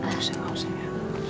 udah udah usah usah ya